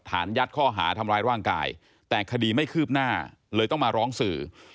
ยัดข้อหาทำร้ายร่างกายแต่คดีไม่คืบหน้าเลยต้องมาร้องสื่อ